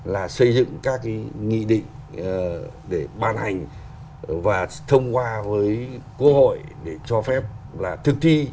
là xây dựng các cái nghị định để ban hành và thông qua với cơ hội để cho phép là thực thi